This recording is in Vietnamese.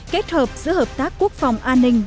kết hợp giữa hợp tác quốc phòng an ninh